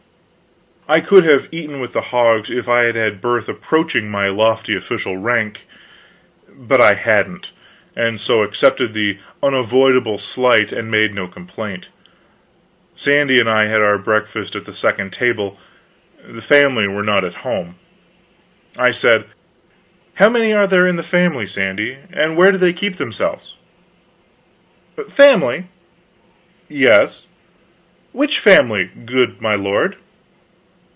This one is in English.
I could have eaten with the hogs if I had had birth approaching my lofty official rank; but I hadn't, and so accepted the unavoidable slight and made no complaint. Sandy and I had our breakfast at the second table. The family were not at home. I said: "How many are in the family, Sandy, and where do they keep themselves?" "Family?" "Yes." "Which family, good my lord?"